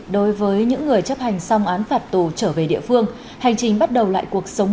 đối với những người chấp hành xong án phạt tù trở về địa phương hành trình bắt đầu lại cuộc sống